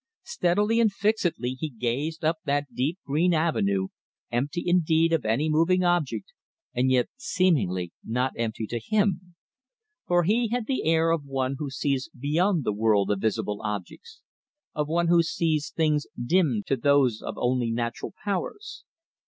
Steadily and fixedly he gazed up that deep green avenue, empty indeed of any moving object, and yet seemingly not empty to him. For he had the air of one who sees beyond the world of visible objects, of one who sees things dimmed to those of only natural powers.